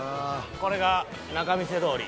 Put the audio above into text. これが仲見世通り。